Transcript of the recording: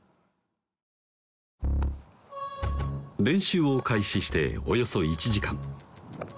練習を開始しておよそ１時間